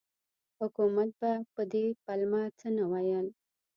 حکومت به په دې پلمه څه نه ویل.